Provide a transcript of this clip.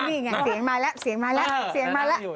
นี่ไงเสียงมาแล้วเสียงมาแล้ว